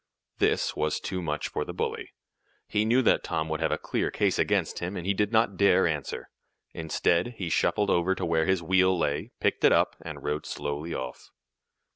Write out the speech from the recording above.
This was too much for the bully. He knew that Tom would have a clear case against him, and he did not dare answer. Instead he shuffled over to where his wheel lay, picked it up, and rode slowly off.